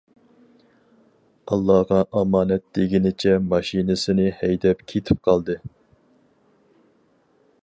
ئاللاغا ئامانەت دېگىنىچە ماشىنىسىنى ھەيدەپ كېتىپ قالدى.